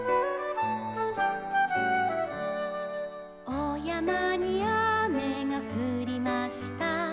「おやまにあめがふりました」